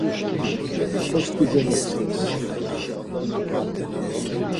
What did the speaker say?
Post̆i gomotzǩes.